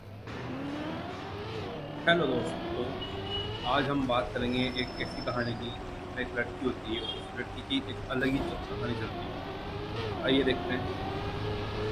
Some residents went to City Hall and shouted angry protests.